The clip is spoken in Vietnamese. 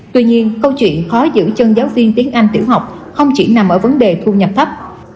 tuy nhiên câu chuyện khó giữ chân giáo viên tiếng anh tiểu học không chỉ nằm ở vấn đề thu nhập thấp